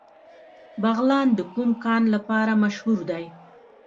بغلان د کوم کان لپاره مشهور دی؟